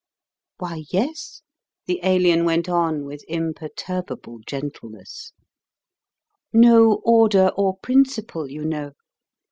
"Why, yes," the Alien went on with imperturbable gentleness: "no order or principle, you know.